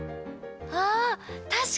ああたしかに！